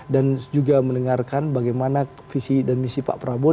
dan juga mendengarkan bagaimana visi dan misi pak prabowo